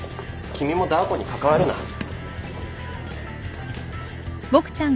君もダー子に関わるな。